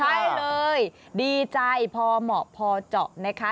ใช่เลยดีใจพอเหมาะพอเจาะนะคะ